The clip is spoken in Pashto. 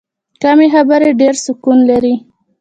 کمې خبرې، ډېر سکون لري.